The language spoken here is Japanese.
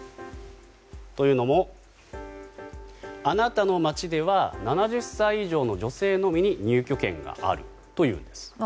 というのも、あなたの町では７０歳以上の女性のみに入居権があると言うんです。